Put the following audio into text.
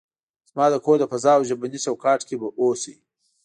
زما د کور د فضا او ژبني چوکاټ کې به اوسئ.